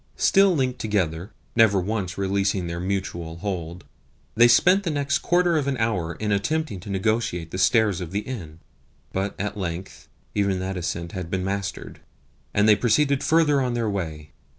Still linked together never once releasing their mutual hold they spent the next quarter of an hour in attempting to negotiate the stairs of the inn; but at length even that ascent had been mastered, and they proceeded further on their way.